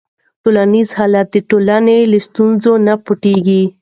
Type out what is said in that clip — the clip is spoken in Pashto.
ټولنیز حالت د ټولنې له ستونزو نه پټيږي.